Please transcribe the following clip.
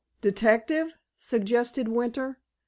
"Detective?" suggested Winter.